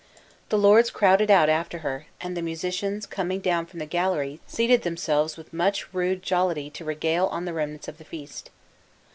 The lords crowded out after her, and the musicians coming down from the gallery, seated themselves with much rude jollity to regale on the remnants of the feast.